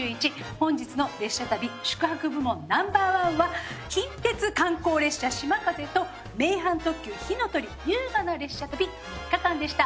本日の列車旅宿泊部門Ｎｏ．１は近鉄観光列車しまかぜと名阪特急ひのとり優雅な列車旅３日間でした。